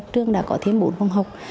trường đã có thêm bốn phòng học